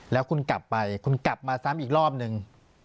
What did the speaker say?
แล้วคุณกลับไปคุณกลับมาซ้ำอีกรอบนึง